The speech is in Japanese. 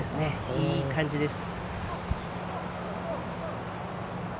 いい感じです。